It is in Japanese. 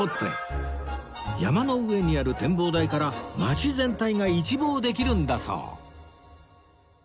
山の上にある展望台から街全体が一望できるんだそう